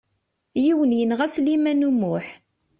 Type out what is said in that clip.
Yiwen yenɣa Sliman U Muḥ.